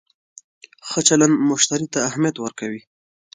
ښه چلند مشتری ته اهمیت ورکوي.